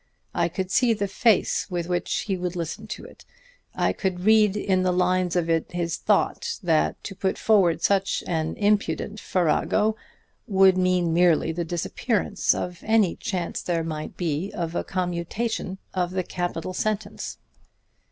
I could see the face with which he would listen to it; I could read in the lines of it his thought, that to put forward such an impudent farrago would mean merely the disappearance of any chance there might be of a commutation of the capital sentence.